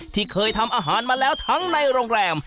ที่เคยทำอาหารมาแล้วทั้งในโรงแรม